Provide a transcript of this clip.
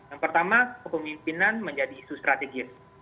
yang pertama kepemimpinan menjadi isu strategis